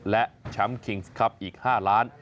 และแชมป์คิงส์ครับอีก๕ล้าน